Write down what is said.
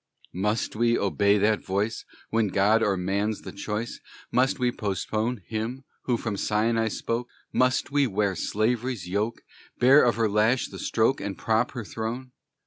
Must we obey that voice? When God or man's the choice, Must we postpone Him, who from Sinai spoke? Must we wear slavery's yoke? Bear of her lash the stroke, And prop her throne?